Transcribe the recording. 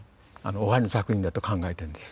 終わりの作品だと考えてるんです。